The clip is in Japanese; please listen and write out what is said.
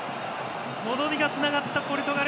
望みがつながったポルトガル。